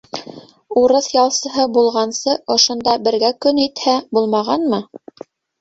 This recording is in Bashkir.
Урыҫ ялсыһы булғансы, ошонда бергә көн итһә, булмағанмы?